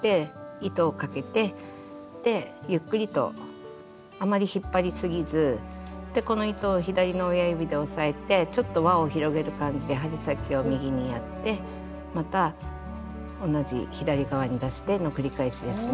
でゆっくりとあまり引っ張りすぎずこの糸を左の親指で押さえてちょっと輪を広げる感じで針先を右にやってまた同じ左側に出しての繰り返しですね。